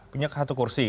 punya satu kursi